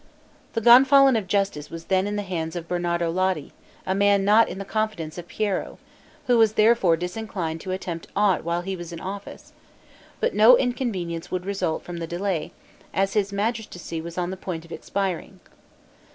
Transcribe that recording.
The Gonfalon of Justice was then in the hands of Bernardo Lotti, a man not in the confidence of Piero, who was therefore disinclined to attempt aught while he was in office; but no inconvenience would result from the delay, as his magistracy was on the point of expiring.